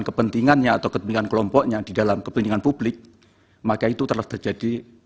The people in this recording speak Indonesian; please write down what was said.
kepentingannya atau kepentingan kelompoknya di dalam kepentingan publik maka itu telah terjadi